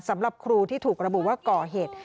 สำหรับครูที่ถูกระบุว่าก่อเหตุ